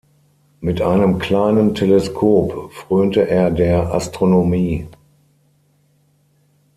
Mit einem kleinen Teleskop frönte er der Astronomie.